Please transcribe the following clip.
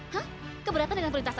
hah keberatan dengan perintah